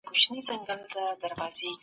په تاريخ کي د روم امپراطورۍ نوم مشهور دی.